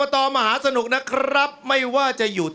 ออกออกออกออกออกออกออกออกออกออกออก